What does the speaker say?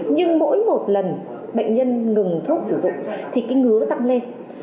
nhưng mỗi một lần bệnh nhân ngừng thuốc sử dụng thì cái ngứa tăng lên